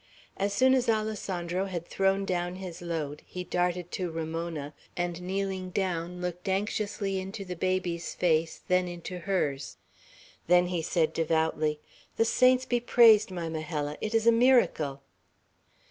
As soon as Alessandro had thrown down his load, he darted to Ramona, and kneeling down, looked anxiously into the baby's face, then into hers; then he said devoutly, "The saints be praised, my Majella! It is a miracle!"